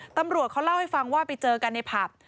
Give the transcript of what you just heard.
ตำรวจเขาเล่าให้ฟังว่าไปเจอกันในผับ